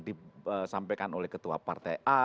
disampaikan oleh ketua partai a